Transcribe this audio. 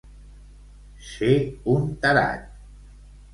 Ser un tarat.